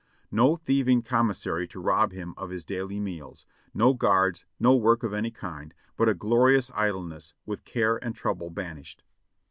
No thieving commissary to rob him of his daily meals, no guards, no work of any kind, but a glorious idleness, with care and trouble banished.